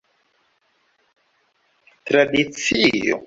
tradicio